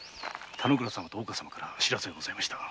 田之倉様と大岡様から報せがございました。